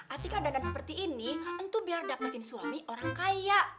atika dadan seperti ini tentu biar dapetin suami orang kaya